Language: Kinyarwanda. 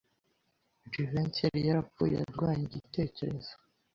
Jivency yari yarapfuye arwanya igitekerezo.